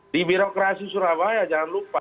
di birokrasi surabaya jangan lupa